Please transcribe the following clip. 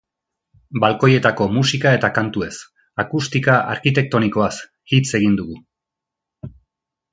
Balkoietako musika eta kantuez, akustika arkitektonikoaz hitz egin dugu.